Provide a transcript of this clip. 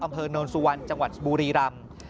อำเภอโนนสุวรรณจังหวัดบุรีรำ